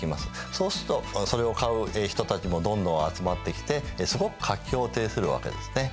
そうするとそれを買う人たちもどんどん集まってきてすごく活況を呈するわけですね。